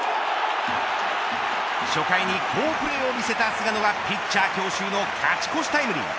初回に好プレーを見せた菅野がピッチャー強襲の勝ち越しタイムリー。